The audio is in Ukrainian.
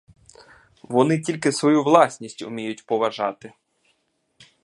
Вони тільки свою власність уміють поважати.